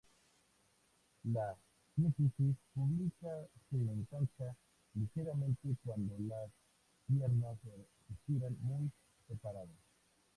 La sínfisis púbica se ensancha ligeramente cuando las piernas se estiran muy separadas.